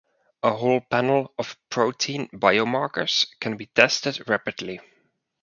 A whole panel of protein biomarkers can be tested rapidly.